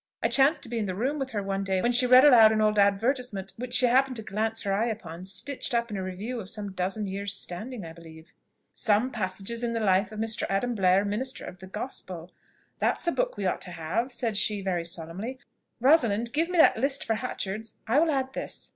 I chanced to be in the room with her one day when she read aloud an old advertisement which she happened to glance her eye upon, stitched up in a Review of some dozen years standing I believe, 'Some passages in the life of Mr. Adam Blair, Minister of the Gospel.' 'That's a book we ought to have,' said she very solemnly; 'Rosalind, give me that list for Hatchard's, I will add this.'